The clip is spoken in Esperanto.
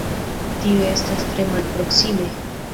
Tio estas tre malproksime.